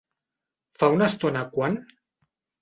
Fa una estona quan?